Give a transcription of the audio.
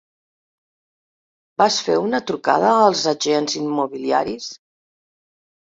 Vas fer una trucada als agents immobiliaris?